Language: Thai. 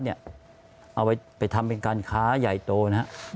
เอาไปทำเป็นการค้าใหญ่โตนะครับ